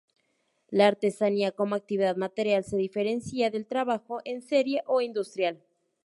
La artesanía como actividad material se diferencia del trabajo en serie o industrial.